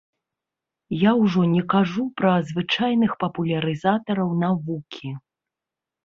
Я ўжо не кажу пра звычайных папулярызатараў навукі.